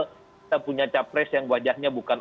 kita punya capres yang wajahnya bukan